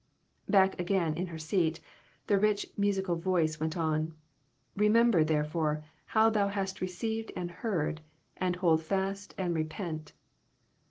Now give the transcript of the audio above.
Back again in her seat, the rich, musical voice went on " Remember, therefore, how thou hast received and heard, and hold fast and repent."